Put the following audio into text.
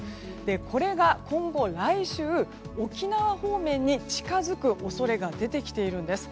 これが今後、来週沖縄方面に近づく恐れが出てきているんです。